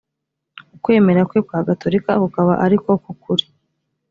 ukwemera kwe kwa gatolika kukaba ari ko k ukuri